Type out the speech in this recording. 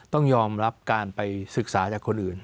ต้องยอมรับการไปศึกษาจากคนอื่น